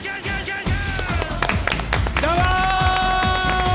どうも！